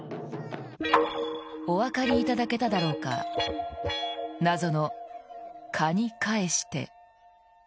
お分かりいただけただろうか、謎の「カニ返して」。